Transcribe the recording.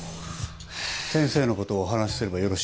先生の事をお話しすればよろしいんでしょうか？